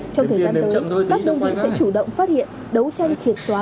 trong thời gian tới các công viên sẽ chủ động phát hiện đấu tranh triệt xóa